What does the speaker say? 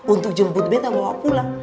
untuk jemput beta bawa pulang